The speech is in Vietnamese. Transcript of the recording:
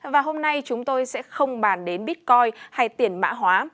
và hôm nay chúng tôi sẽ không bàn đến bitcoin hay tiền mã hóa